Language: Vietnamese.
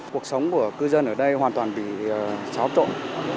cuộc sống của cư dân ở đây hoàn toàn bị xáo trộn